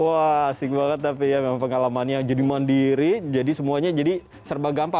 wah asik banget tapi ya memang pengalamannya jadi mandiri jadi semuanya jadi serba gampang